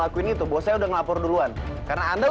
lepasin pak randy